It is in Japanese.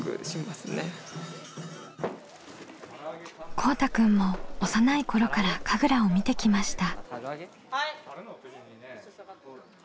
こうたくんも幼い頃から神楽を見てきました。